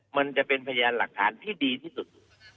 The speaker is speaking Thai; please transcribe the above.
มันจะเป็นพยานหลักฐานที่ดีที่สุด